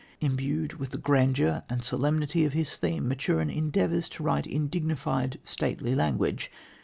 Imbued with the grandeur and solemnity of his theme, Maturin endeavours to write in dignified, stately language.